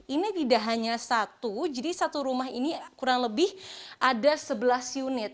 ini tidak hanya satu jadi satu rumah ini kurang lebih ada sebelas unit